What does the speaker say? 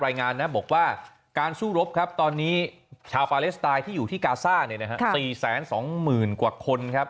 รายงานนะบอกว่าการสู้รบครับตอนนี้ชาวปาเลสไตน์ที่อยู่ที่กาซ่า๔๒๐๐๐กว่าคนครับ